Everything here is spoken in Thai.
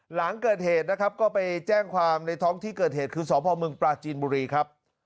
หลังเกิดเหตุนะครับก็ไปแจ้งความในท้องที่เกิดเหตุคือสพมปลาจีนบุรีครับ